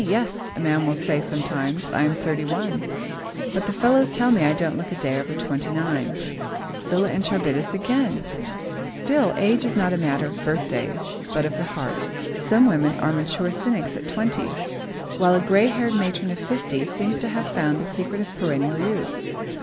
"Yes," a man will say sometimes, "I am thirty one, but the fellows tell me I don't look a day over twenty nine." Scylla and Charybdis again! [Sidenote: Perennial Youth] Still, age is not a matter of birthdays, but of the heart. Some women are mature cynics at twenty, while a grey haired matron of fifty seems to have found the secret of perennial youth.